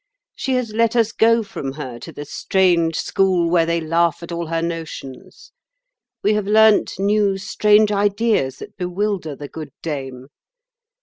She has let us go from her to the strange school where they laugh at all her notions. We have learnt new, strange ideas that bewilder the good dame.